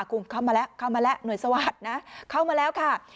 คุณเข้ามาแล้วเข้ามาแล้วหน่วยสวัสดิ์นะเข้ามาแล้วค่ะ